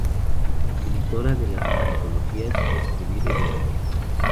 Editora de las antologías: "Escribir en Nueva York.